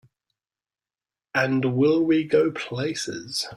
And will we go places!